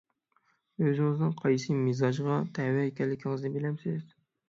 ئۆزىڭىزنىڭ قايسى مىزاجغا تەۋە ئىكەنلىكىڭىزنى بىلەمسىز؟